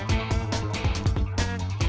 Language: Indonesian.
tidak ada yang bisa dikunci